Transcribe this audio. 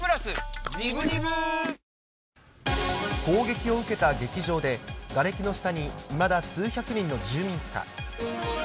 攻撃を受けた劇場で、がれきの下にいまだ数百人の住民か。